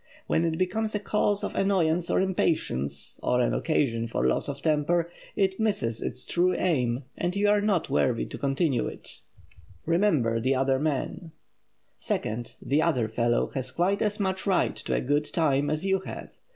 When it becomes a cause of annoyance or impatience, or an occasion for loss of temper, it misses its true aim and you are not worthy to continue it. [Sidenote: REMEMBER THE OTHER MAN] Second; the "other fellow" has quite as much right to a good time as you have.